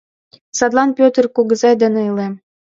Садлан Пӧтыр кугызай дене илем.